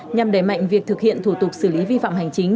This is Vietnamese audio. nhằm đẩy mạnh việc thực hiện thủ tục xử lý vi phạm hành chính